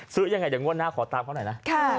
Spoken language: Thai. ซื้อยังไงอย่างว่าน่าขอตามเขาหน่อยนะ